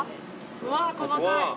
うわあ細かい。